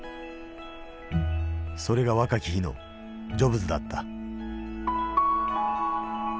それが若き日のジョブズだった。